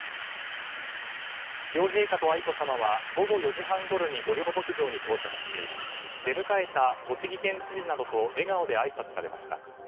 両陛下と愛子さまは午後４時半ごろに御料牧場に到着し出迎えた栃木県知事などと笑顔であいさつされました。